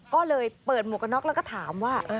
ก็เลยเปิดหมวกกระน็อกแล้วก็ถามว่า